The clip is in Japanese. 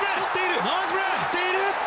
とっている！